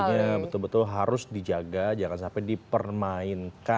artinya betul betul harus dijaga jangan sampai dipermainkan